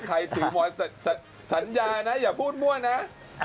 ถือสัญญานะอย่าพูดมั่วนะ